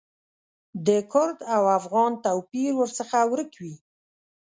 د کرد او افغان توپیر ورڅخه ورک وي.